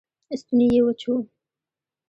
ستونی یې وچ و